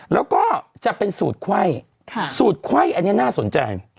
แล้วก็จะเป็นสูตรคว่ายนี่น่าสนใจ